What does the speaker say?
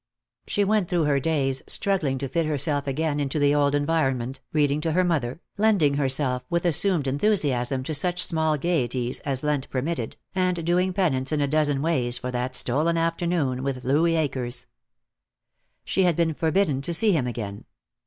She went through her days, struggling to fit herself again into the old environment, reading to her mother, lending herself with assumed enthusiasm to such small gayeties as Lent permitted, and doing penance in a dozen ways for that stolen afternoon with Louis Akers. She had been forbidden to see him again.